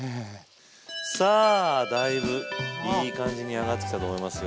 さあだいぶいい感じに揚がってきたと思いますよ。